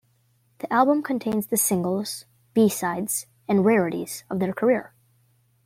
The album contains the singles, b-sides and rarities of their career.